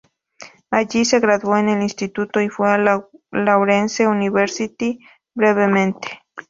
Allí se graduó en el instituto y fue a la Lawrence University brevemente.